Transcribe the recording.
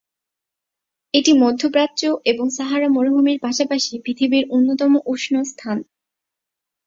এটি মধ্য প্রাচ্য এবং সাহারা মরুভূমির পাশাপাশি পৃথিবীর অন্যতম উষ্ণ স্থান।